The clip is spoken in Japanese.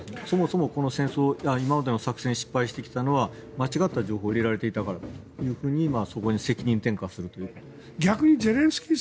そもそもこの戦争今まで作戦に失敗してきたのは間違った情報を入れられていたからだとそこに責任転嫁するということです。